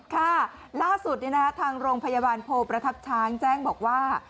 ค่ะล่าสุดทางโรงพยาบาลโพประทับช้างแจ้งบอกว่า